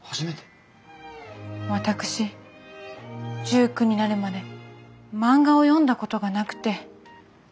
私１９になるまで漫画を読んだことがなくて。